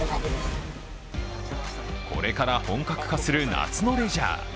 これから本格化する夏のレジャー。